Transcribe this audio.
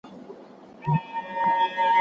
بهرنۍ پالیسي د خلګو ږغ نه خاموش وي.